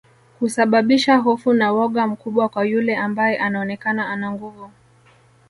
Kusababisha hofu na woga mkubwa kwa yule ambae anaonekana ana nguvu